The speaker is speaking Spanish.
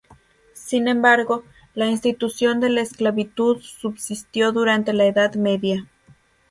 Sin embargo, la institución de la esclavitud subsistió durante la Edad Media.